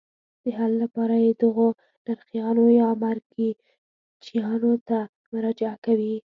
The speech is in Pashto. د حل لپاره یې دغو نرخیانو یا مرکچیانو ته مراجعه کوي.